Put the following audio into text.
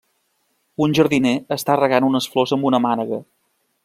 Un jardiner està regant unes flors amb una mànega.